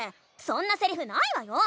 そんなセリフないわよ！